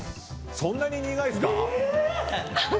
そんなに苦いですか？